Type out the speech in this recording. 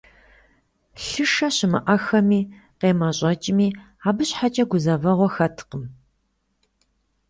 Лъышэ щымыӀэххэми къемэщӀэкӀми, абы щхьэкӀэ гузэвэгъуэ хэткъым.